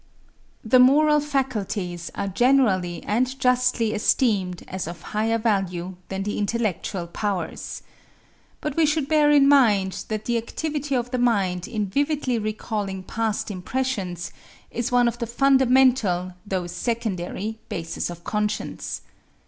The moral faculties are generally and justly esteemed as of higher value than the intellectual powers. But we should bear in mind that the activity of the mind in vividly recalling past impressions is one of the fundamental though secondary bases of conscience.